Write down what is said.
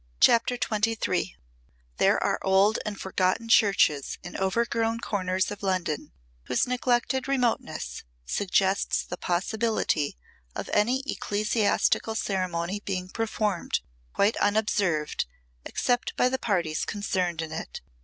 CHAPTER XXIII There are old and forgotten churches in overgrown corners of London whose neglected remoteness suggests the possibility of any ecclesiastical ceremony being performed quite unobserved except by the parties concerned in it.